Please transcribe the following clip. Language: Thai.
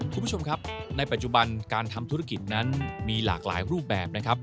คุณผู้ชมครับในปัจจุบันการทำธุรกิจนั้นมีหลากหลายรูปแบบนะครับ